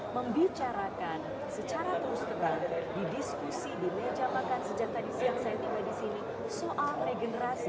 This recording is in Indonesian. membicarakan secara terus tebal didiskusi dilejapakan sejak tadi siang saya tiba disini soal regenerasi